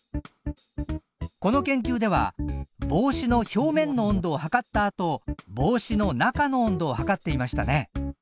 この研究では帽子の表面の温度を測ったあと帽子の中の温度を測っていましたね。